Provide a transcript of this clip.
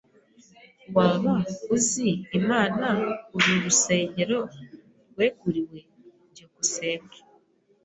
Waba uzi imana uru rusengero rweguriwe? byukusenge